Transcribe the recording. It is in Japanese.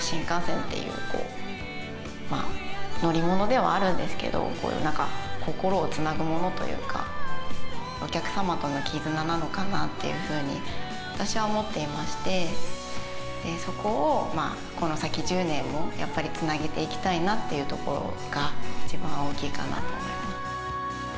新幹線という乗り物ではあるんですけど、心をつなぐものというか、やはりお客様との絆なのかなというふうに、私は思っていまして、そこを、この先１０年も、やっぱりつなげていきたいなっていうところが、一番大きいかなと思います。